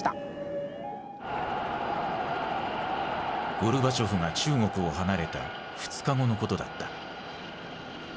ゴルバチョフが中国を離れた２日後のことだった。